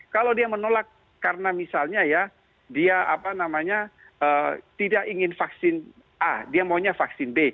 kalau dia menolak karena misalnya ya dia apa namanya tidak ingin vaksin a dia maunya vaksin b